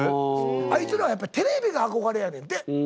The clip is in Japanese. あいつらはやっぱりテレビが憧れやねんて。